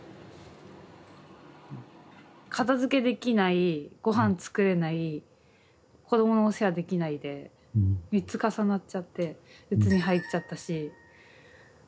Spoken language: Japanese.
片づけできないごはん作れない子どものお世話できないで３つ重なっちゃってやばくて。